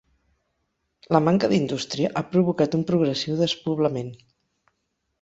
La manca d'indústria ha provocat un progressiu despoblament.